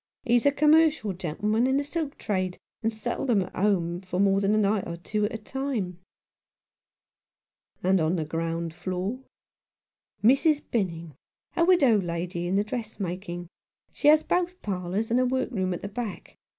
He's a commercial gentleman in the silk trade, and seldom at home for more than a night or two at a time." 95 Rough Justice. " And on the ground floor ?" "Mrs. Benning, a widow lady in the dress making. She has both parlours, and a workroom at the back.